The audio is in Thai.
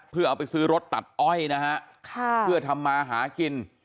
เพื่อเอาไปซื้อรถตัดอ้อยนะฮะเพื่อทำมาหากิน